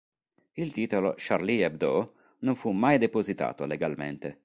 Il titolo "Charlie Hebdo" non fu mai depositato legalmente.